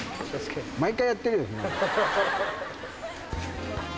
毎回やってるよ。